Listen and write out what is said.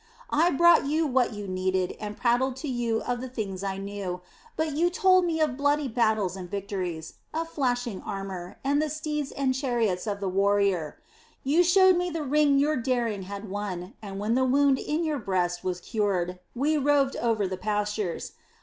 I brought you what you needed and prattled to you of the things I knew, but you told me of bloody battles and victories, of flashing armor, and the steeds and chariots of the warrior, You showed me the ring your daring had won, and when the wound in your breast was cured, we roved over the pastures.